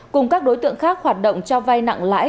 cùng các đối tượng khác hoạt động cho vay nặng lãi